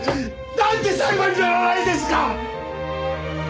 なんで裁判にならないんですか！